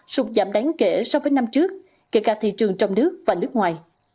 sụt giảm đáng kể so với năm trước kể cả thị trường trong nước và nước ngoài